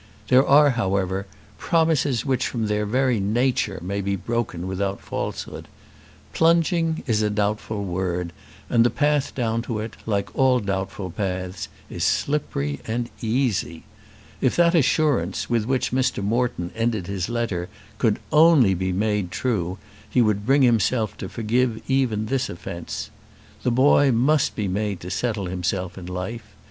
There are, however, promises which from their very nature may be broken without falsehood. Plunging is a doubtful word, and the path down to it, like all doubtful paths, is slippery and easy! If that assurance with which Mr. Moreton ended his letter could only be made true, he could bring himself to forgive even this offence. The boy must be made to settle himself in life.